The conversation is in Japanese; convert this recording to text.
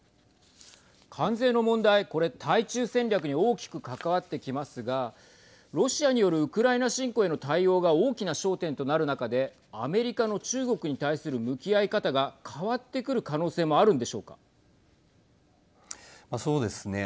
関税の問題、これ対中戦略に大きく関わってきますがロシアによるウクライナ侵攻への対応が大きな焦点となる中でアメリカの中国に対する向き合い方が変わってくる可能性もそうですね。